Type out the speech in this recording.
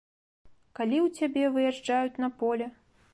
Калі ў цябе выязджаюць на поле?